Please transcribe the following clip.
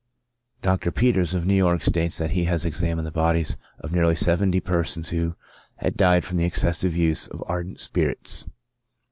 Dr. Peters, of New York, states that he has examined the bodies of nearly seventy persons who had died from the excessive use of ardent spirits.